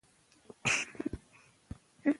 موږ خپله ژبه ساتو.